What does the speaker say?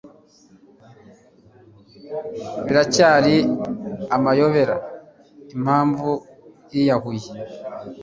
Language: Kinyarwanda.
Biracyari amayobera impamvu yiyahuye.